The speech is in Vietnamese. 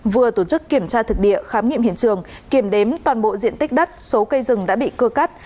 vừa tổ chức kiểm tra thực địa khám nghiệm hiện trường kiểm đếm toàn bộ diện tích đất số cây rừng đã bị cưa cắt